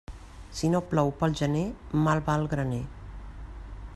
Si no plou pel gener, mal va el graner.